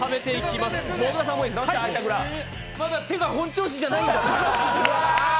まだ手が本調子じゃない。